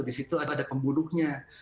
di situ ada pembunuhnya